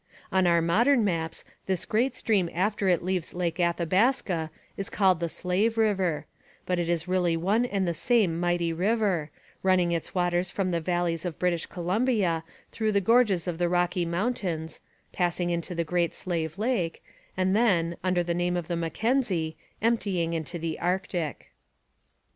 On our modern maps this great stream after it leaves Lake Athabaska is called the Slave river: but it is really one and the same mighty river, carrying its waters from the valleys of British Columbia through the gorges of the Rocky Mountains, passing into the Great Slave Lake, and then, under the name of the Mackenzie, emptying into the Arctic.